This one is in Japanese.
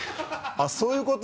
あっそういうこと？